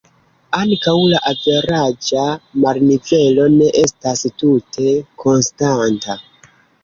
Ankaŭ la averaĝa marnivelo ne estas tute konstanta.